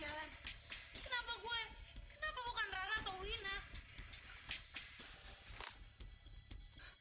sil mendingan jangan lo terusin deh main di langkungnya